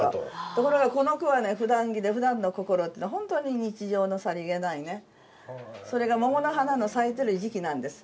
ところがこの句はね「ふだん着でふだんの心」って本当に日常のさりげないねそれが桃の花の咲いてる時期なんです。